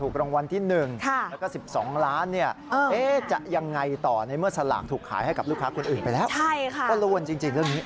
ขายให้กับลูกค้าคนอื่นไปแล้วโอนละวนจริงเรื่องนี้